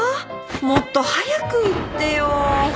もっと早く言ってよ